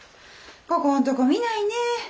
ここんとこ見ないねえ。